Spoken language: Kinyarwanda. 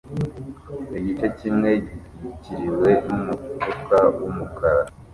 Igice kimwe gitwikiriwe numufuka wumukara